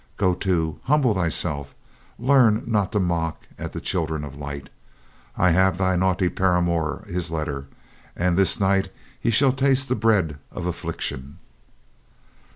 Go to. Humble thyself. Learn not to mock at the children of light. I have thy naughty paramour his letter, and this night he shall taste the bread of affliction."